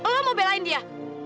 lo mau belain dia